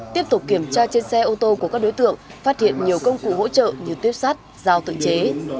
tiếp tục kiểm tra trên xe ô tô của các đối tượng phát hiện nhiều công cụ hỗ trợ như tuyếp sắt giao tự chế